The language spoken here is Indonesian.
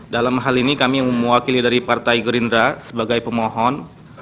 dalam hal ini kami mewakili dari partai gerindra sebagai pemohon